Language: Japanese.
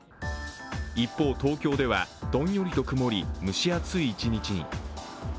一方、東京ではどんよりと曇り蒸し暑い一日に。